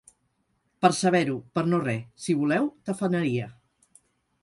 Per saber-ho, per no re; si voleu, tafaneria.